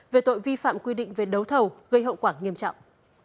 về tội vi phạm quy định về đấu thầu gây hậu quả nghiêm trọng